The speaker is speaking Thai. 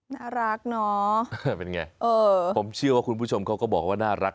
น่ารักเนาะเป็นไงเออผมเชื่อว่าคุณผู้ชมเขาก็บอกว่าน่ารัก